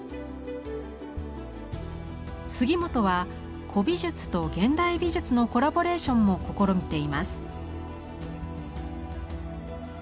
杉本は古美術と現代美術のコラボレーションも試みています。